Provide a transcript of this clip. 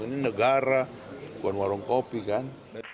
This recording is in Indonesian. ini negara bukan warung kopi kan